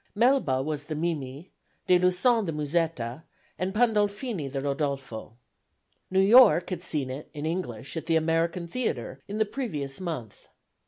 Melba was the Mimi, De Lussan the Musetta, and Pandolfini the Rodolfo. New York had seen it, in English, at the American Theatre, in the previous month.